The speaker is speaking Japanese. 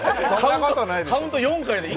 カウント４で１？